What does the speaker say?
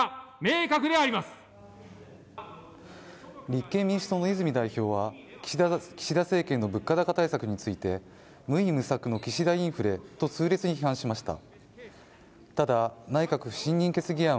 立憲民主党の泉代表は、岸田政権の物価高政策について無為無策の岸田インフレと痛烈に批判しました。